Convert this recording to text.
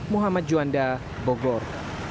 muhammad juanda bogor